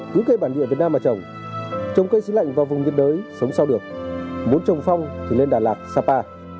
cứu cây bản địa việt nam mà trồng trồng cây xí lạnh vào vùng nhiệt đới sống sau được muốn trồng phong thì lên đà lạt sapa